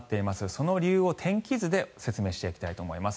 その理由を天気図で説明していきたいと思います。